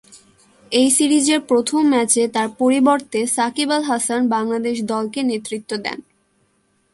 এই সিরিজের প্রথম ম্যাচে তার পরিবর্তে সাকিব আল হাসান বাংলাদেশ দলকে নেতৃত্ব দেন।